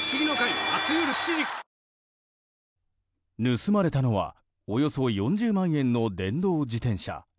盗まれたのはおよそ４０万円の電動自転車。